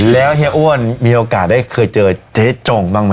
แล้วเฮียอ้วนมีโอกาสได้เคยเจอเจ๊จงบ้างไหม